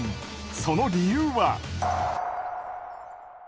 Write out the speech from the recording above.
その理由は。